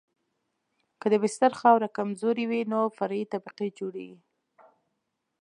که د بستر خاوره کمزورې وي نو فرعي طبقه جوړیږي